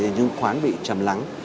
như khoáng bị trầm lắng